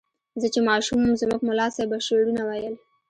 زه چې ماشوم وم زموږ ملا صیب به شعرونه ویل.